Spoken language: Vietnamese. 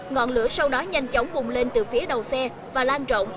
ngọn lửa sau đó nhanh chóng bùng lên từ phía đầu xe và lan rộng